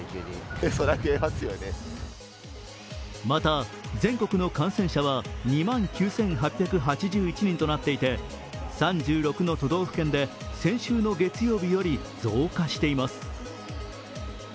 また、全国の感染者は２万９８８１人となっていて３６の都道府県で先週の月曜日より増加しています。